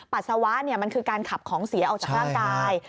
ปัสสาวะมันคือการขับของเสียออกจากร่างกาย